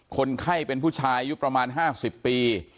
คนไข้เป็นผู้ชายอายุประมาณ๕๐ปี